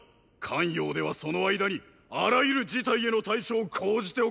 咸陽ではその間にあらゆる事態への対処を講じておけとのことだ！